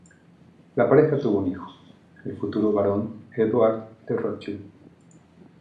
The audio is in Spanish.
La pareja tuvo un hijo, el futuro barón Édouard de Rothschild.